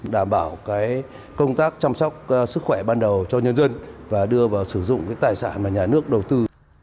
đảm bảo công tác chăm sóc sức khỏe ban đầu cho nhân dân và đưa vào sử dụng tài sản mà nhà nước đầu tư